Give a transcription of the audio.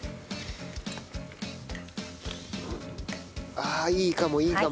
ああいいかもいいかも。